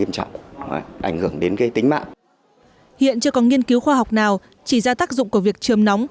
hiện chưa có nghiên cứu khoa học nào chỉ ra tác dụng của việc trường nóng